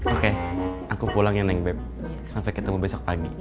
oke aku pulang ya nengbe sampai ketemu besok pagi